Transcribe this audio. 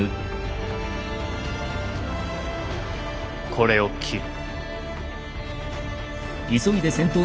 これを斬る。